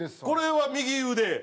これは右腕？